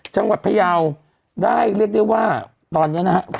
จังหวัดพยาวได้เรียกได้ว่าตอนนี้นะครับ